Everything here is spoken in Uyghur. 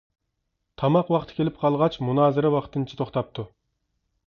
تاماق ۋاقتى كېلىپ قالغاچ مۇنازىرە ۋاقتىنچە توختاپتۇ.